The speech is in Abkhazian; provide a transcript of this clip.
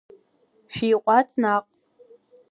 Шәиҟәаҵ наҟ!